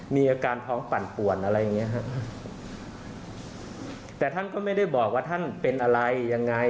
มีอาการท้องปั่นป่วนอะไรอย่างเงี้ฮะแต่ท่านก็ไม่ได้บอกว่าท่านเป็นอะไรยังไง